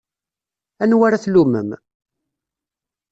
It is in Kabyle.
Anwa ara tlummem?